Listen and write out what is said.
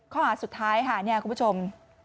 ข้ออาจสุดท้ายคุณผู้ชม